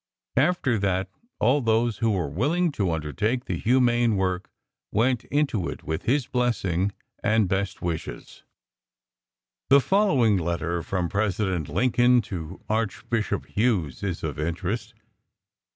After that all those who were willing to undertake the humane work went into it with his blessing and best wishes. The following letter from President Lincoln to Archbishop Hughes is of interest.